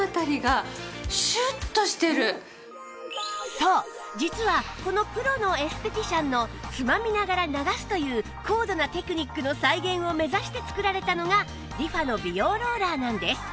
そう実はこのプロのエステティシャンのつまみながら流すという高度なテクニックの再現を目指して作られたのがリファの美容ローラーなんです